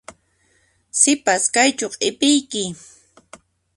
Sipas, kaychu q'ipiyki?